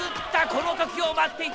この時を待っていた！